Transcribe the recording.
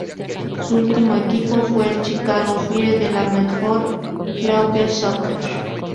Su último equipo fue el Chicago Fire de la Major League Soccer.